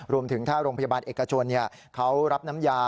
รวมถึงถ้าโรงพยาบาลเอกชนเขารับน้ำยา